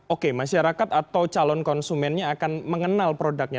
oke masyarakat atau calon konsumennya akan mengenal produknya